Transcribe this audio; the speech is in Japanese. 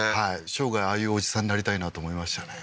生涯ああいうおじさんになりたいなと思いましたね